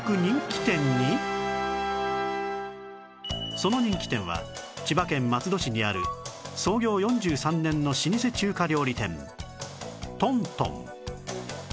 その人気店は千葉県松戸市にある創業４３年の老舗中華料理店東東